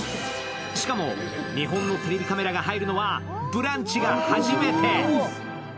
しかも日本のテレビカメラが入るのは「ブランチ」が始めて。